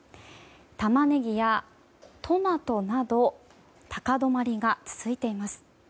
タマネギやトマトなど高止まりが続いています。